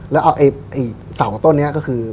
แล้วเอาเสาต้นนี้ก็คือ